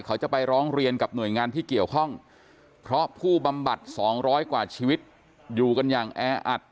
เขาจะไปร้องเรียนกับหน่วยงานที่เกี่ยวข้องเพราะผู้บำบัด๒๐๐กว่าชีวิตอยู่กันอย่างแออัด